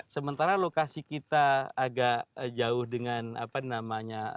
sementara lokasi kita agak jauh dengan apa namanya